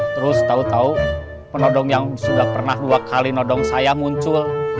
terus tahu tahu penodong yang sudah pernah dua kali nodong saya muncul